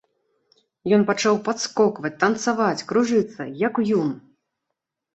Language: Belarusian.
Ён пачаў падскокваць, танцаваць, кружыцца, як уюн.